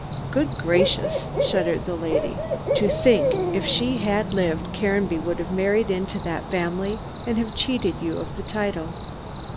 "Good gracious!" shuddered the lady, "to think if she had lived, Caranby would have married into that family and have cheated you of the title."